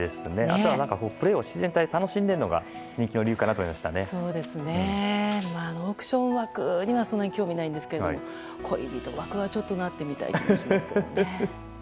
あとはプレーを自然体で楽しんでいるのもオークション枠にはそんなに興味ないんですが恋人枠にはちょっとなってみたい気がしますけどね。